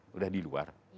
sudah di luar